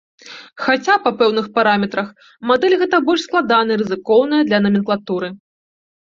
Хаця, па пэўных параметрах, мадэль гэта больш складаная і рызыкоўная для наменклатуры.